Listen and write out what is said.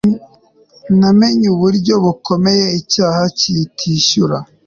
namenye uburyo bukomeye icyaha kitishyura